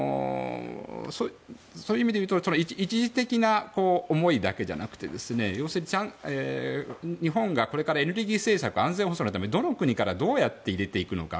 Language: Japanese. そういう意味でいうと一時的な思いだけじゃなくて日本がこれからエネルギー政策や安全保障政策をどの国からどうやって入れていくのか